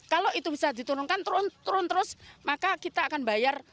kalau itu bisa diturunkan turun terus maka kita akan bayar